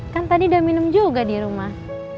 kan tadi udah minum juga di rumah